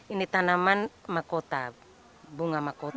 ini tanaman makota bunga makota